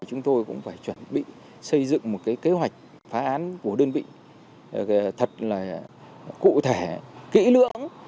chúng tôi cũng phải chuẩn bị xây dựng một kế hoạch phá án của đơn vị thật là cụ thể kỹ lưỡng